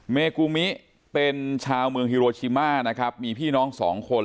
เมกูมิเป็นชาวเมืองฮิโรชิมานะครับมีพี่น้องสองคน